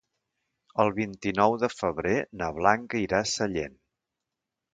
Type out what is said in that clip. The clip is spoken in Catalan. El vint-i-nou de febrer na Blanca irà a Sellent.